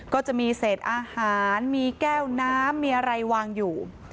ก็จะมีเศษอาหารมีแก้วน้ำมีอะไรวางอยู่